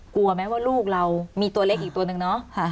กลัวไหมว่าลูกเรามีตัวเล็กอีกตัวนึงเนาะ